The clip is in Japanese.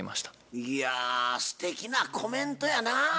いやすてきなコメントやな。